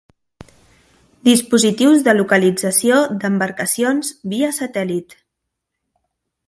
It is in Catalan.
Dispositius de localització d'embarcacions via satèl·lit.